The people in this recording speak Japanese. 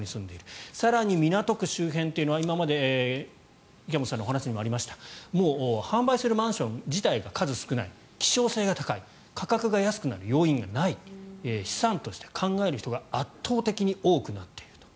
更に港区周辺は、今まで池本さんのお話にもありましたもう販売するマンション自体が数少ない希少性が高い価格が安くなる要因がない資産として考える人が圧倒的に多くなっている。